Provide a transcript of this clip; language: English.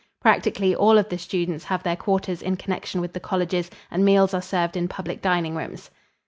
Practically all of the students have their quarters in connection with the colleges and meals are served in public dining rooms.